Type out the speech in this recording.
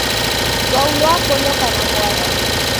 Lwau lwapo loka na w'asi.